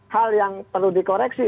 hal yang perlu dikoreksi